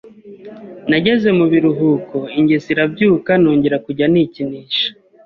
Nageze mubiruhuko ingeso irabyuka nongera kujya nikinisha